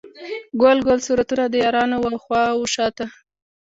ګل ګل صورتونه، د یارانو و خواو شاته